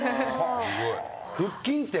腹筋って。